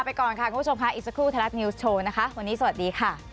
โปรดติดตามตอนต่อไป